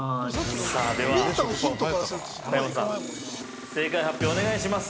◆さあでは、小山さん、正解発表をお願いします。